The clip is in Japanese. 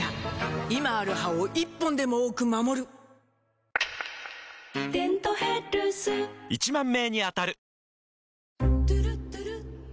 今ある歯を１本でも多く守る「デントヘルス」１０，０００名に当たる！